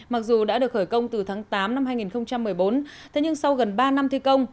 mặc dù đã được khởi công từ tháng tám năm hai nghìn một mươi bốn thế nhưng sau gần ba năm thi công